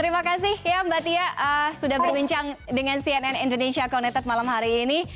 terima kasih ya mbak tia sudah berbincang dengan cnn indonesia connected malam hari ini